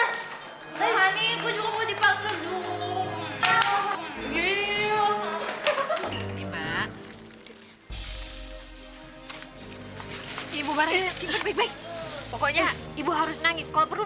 nanti aku juga mau dipanggil dulu